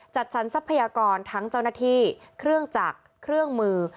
จัดสรรทรัพยากรทั้งเจ้าหน้าที่เครื่องจักรเครื่องมือ